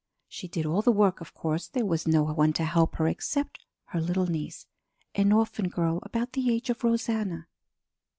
"She did all the work; of course there was no one to help her, except her little niece, an orphan girl about the age of Rosanna.